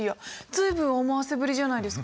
随分思わせぶりじゃないですか？